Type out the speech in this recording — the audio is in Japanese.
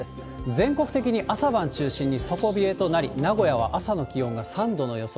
全国的に朝晩中心に底冷えとなり、名古屋は朝の気温が３度の予想。